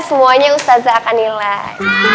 semuanya ustazah akan nilai